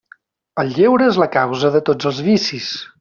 El lleure és la causa de tots els vicis.